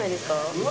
うわ！